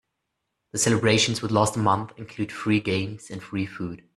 The celebrations would last a month and include free games and free food.